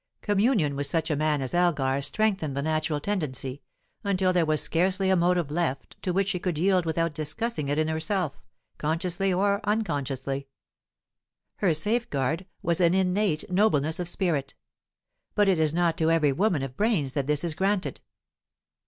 Communion with such a man as Elgar strengthened the natural tendency, until there was scarcely a motive left to which she could yield without discussing it in herself, consciously or unconsciously. Her safeguard was an innate nobleness of spirit. But it is not to every woman of brains that this is granted.